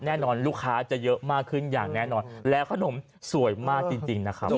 แน่นอนลูกค้าจะเยอะมากขึ้นอย่างแน่นอนแล้วขนมสวยมากจริงนะครับ